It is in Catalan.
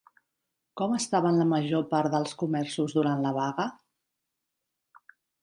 Com estaven la major part dels comerços durant la vaga?